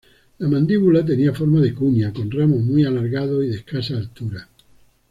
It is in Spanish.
La mandíbula tenía forma de cuña, con ramos muy alargados y de escasa altura.